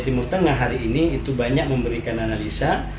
dan juga di setengah hari ini banyak memberikan analisa